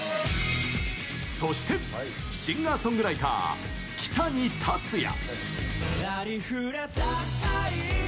そしてシンガーソングライターキタニタツヤ。